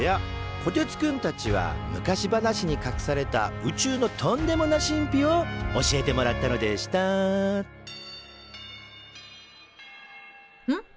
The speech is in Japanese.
こてつくんたちは昔話にかくされた宇宙のトンデモな神秘を教えてもらったのでしたん？